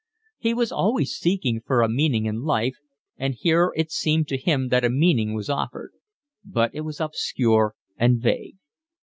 He was always seeking for a meaning in life, and here it seemed to him that a meaning was offered; but it was obscure and vague.